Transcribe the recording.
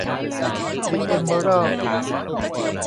ดิเอมเมอรัลด์